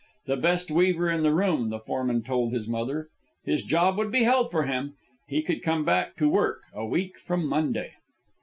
The best weaver in the room, the foreman told his mother. His job would be held for him. He could come back to work a week from Monday.